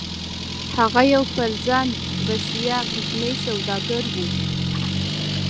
هغه يو پر ځان بسيا کوچنی سوداګر و.